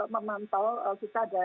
memantau kita ada